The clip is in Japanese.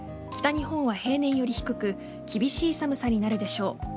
北日本は平年より低く厳しい寒さになるでしょう。